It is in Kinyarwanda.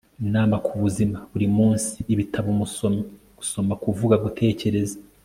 inama-kubuzima-burimunsi, ibitabo, umusomyi, gusoma, kuvuga, gutekereza